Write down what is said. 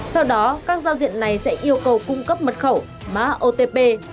sau đó các giao diện này sẽ yêu cầu cung cấp mật khẩu mã otp